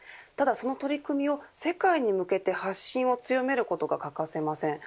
その取り組みを世界に向けて発信を強めることが欠かせません。